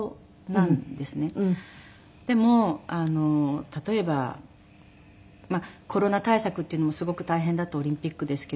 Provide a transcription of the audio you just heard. でも例えばコロナ対策っていうのもすごく大変だったオリンピックですけれども。